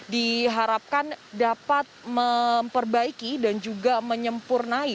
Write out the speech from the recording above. diharapkan dapat memperbaiki dan juga menyempurnai